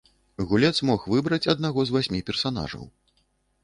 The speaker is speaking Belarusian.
Гулец мог выбраць аднаго з васьмі персанажаў.